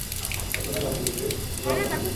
ওরসনের বাহিনীর বিরুদ্ধে শুধু আমরা তিনজন।